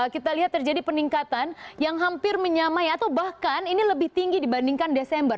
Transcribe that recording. kita lihat terjadi peningkatan yang hampir menyamai atau bahkan ini lebih tinggi dibandingkan desember